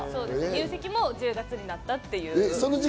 入籍も１０月になったという。